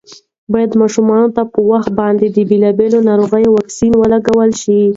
باید ماشومانو ته په وخت باندې د بېلابېلو ناروغیو واکسینونه ولګول شي.